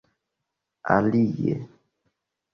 alie